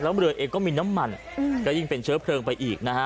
แล้วเรือเองก็มีน้ำมันก็ยิ่งเป็นเชื้อเพลิงไปอีกนะฮะ